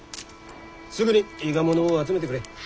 すぐに伊賀者を集めてくれ。